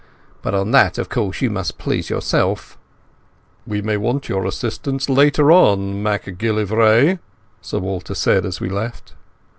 But on that, of course, you must please yourself." "We may want your assistance later on, MacGillivray," Sir Walter said as we left.